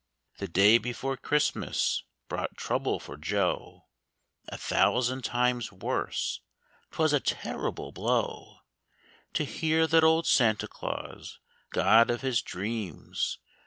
The day before Christmas brought trouble for Joe, A thousand times worse. 'Twas a terrible blow To hear that old Santa Claus, god of his dreams.